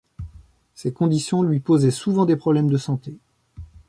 Ces conditions lui posaient souvent des problèmes de santé.